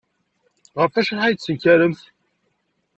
Ɣef wacḥal ay d-tettenkaremt?